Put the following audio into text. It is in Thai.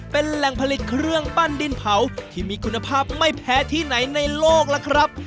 เป็นแหล่งผลิตเครื่องปั้นดินเผาที่มีคุณภาพไม่แพ้ที่ไหนในโลกล่ะครับ